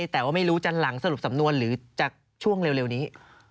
แต่ว่าไม่รู้จะหลังสรุปสำนวนหรือจากช่วงเร็วนี้